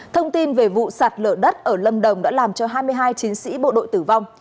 thông tin về vụ sạt lở đất ở lâm đồng đã làm cho hai mươi hai chiến sĩ bộ đội tử vong